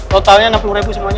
totalnya enam puluh ribu semuanya